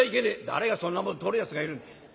「誰がそんなもんとるやつがいるんだ」。